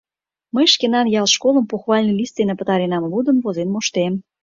Мый шкенан ял школым похвальный лист дене пытаренам: лудын-возен моштем.